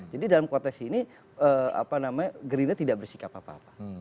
jadi dalam konteks ini apa namanya gerindra tidak bersikap apa apa